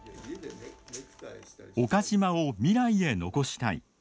岡島を未来へ残したい。